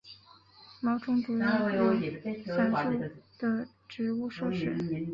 毛虫主要在伞树属的植物摄食。